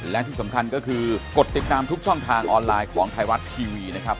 และที่สำคัญก็คือกดติดตามทุกช่องทางออนไลน์ของไทยรัฐทีวีนะครับ